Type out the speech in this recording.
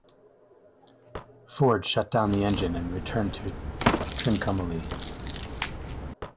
Ford shut down the engine and returned to Trincomalee.